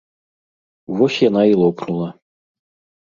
Вось яна і лопнула.